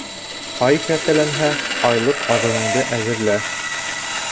Ай кәртәләнһә, айлыҡ аҙығыңды әҙерлә